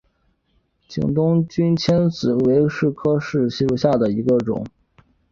景东君迁子为柿科柿属下的一个种。